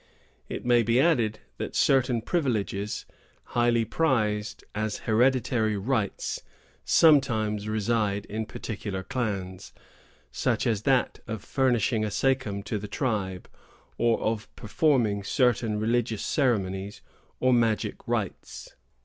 It may be added that certain privileges, highly prized as hereditary rights, sometimes reside in particular clans; such as that of furnishing a sachem to the tribe, or of performing certain religious ceremonies or magic rites.